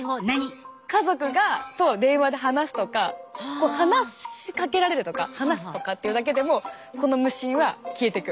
家族と電話で話すとか話しかけられるとか話すとかっていうだけでもこの無心は消えてく。